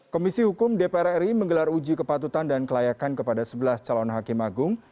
komisi hukum dpr ri menggelar uji kepatutan dan kelayakan kepada sebelas calon hakim agung